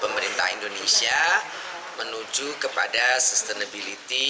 pemerintah indonesia menuju kepada sustainability